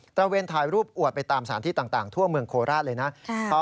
ระเวนถ่ายรูปอวดไปตามสถานที่ต่างทั่วเมืองโคราชเลยนะ